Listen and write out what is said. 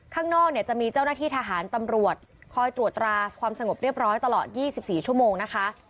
ข้างนอกเนี่ยจะมีเจ้าหน้าที่ทหารตำรวจคอยตรวจตราความสงบเรียบร้อยตลอด๒๔ชั่วโมงนะคะ